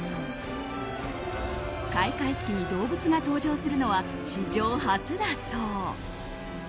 開会式に動物が登場するのは史上初だそう。